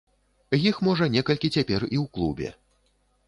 Іх можа некалькі цяпер і ў клубе.